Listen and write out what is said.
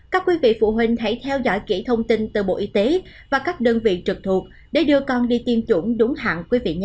các quý vị phụ huynh hãy theo dõi kỹ thông tin từ bộ y tế và các đơn vị trực thuộc để đưa con đi tiêm chủng đúng hạn quý vị nhà